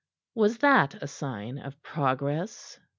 Was that a sign of progress?